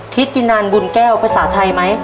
ทิศตินันบุญแก้วภาษาไทยไหม